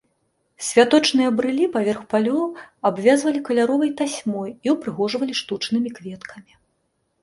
Святочныя брылі паверх палёў абвязвалі каляровай тасьмой і ўпрыгожвалі штучнымі кветкамі.